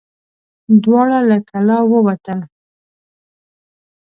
دواړه له کلا ووتل.